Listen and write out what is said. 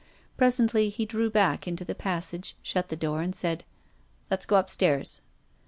Presently he drew back into the passage, shut the door, and said, " Let's go upstairs."